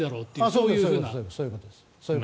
そういうことです。